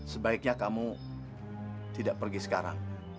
sebaiknya kamu tidak pergi sekarang